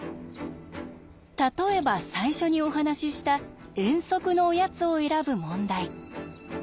例えば最初にお話しした遠足のおやつを選ぶ問題。